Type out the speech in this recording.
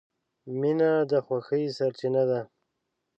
• مینه د خوښۍ سرچینه ده.